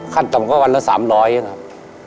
คัดต่อมก็วันละ๓๐๐เป็นครับ